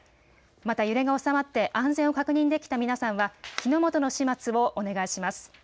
また揺れが収まって安全を確認できた皆さんは火の元の始末をお願いします。